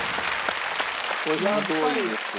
これすごいですわ。